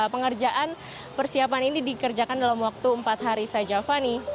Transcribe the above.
pengerjaan persiapan ini dikerjakan dalam waktu empat hari saja fani